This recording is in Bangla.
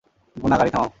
গুনা, গাড়ি থামাও।